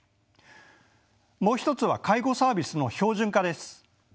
もう一つは介護サービスの標準化です。